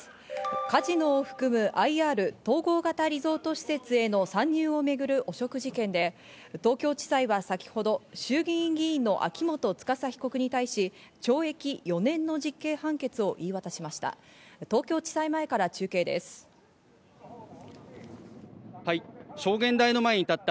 カジノを含むＩＲ＝統合型リゾート施設への参入を巡る汚職事件で、東京地裁は先ほど衆議院議員の秋元司被告に対し、懲役４年の実刑判決を言い渡しました。